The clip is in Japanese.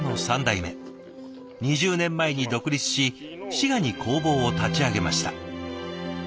２０年前に独立し滋賀に工房を立ち上げました。